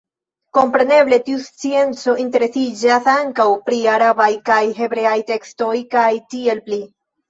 Kompreneble tiu scienco interesiĝas ankaŭ pri arabaj kaj hebreaj tekstoj kaj tiel pli.